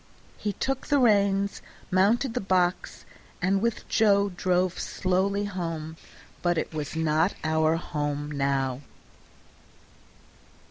He took the reins, mounted the box, and with Joe drove slowly home; but it was not our home now.